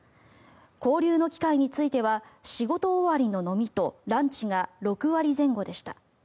交流の機会については仕事終わりの飲みとランチが６割前後でした。